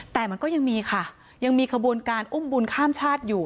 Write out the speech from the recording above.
แต่มันก็ยังมีค่ะยังมีขบวนการอุ้มบุญข้ามชาติอยู่